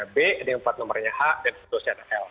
nomornya b plat nomornya h dan dosen l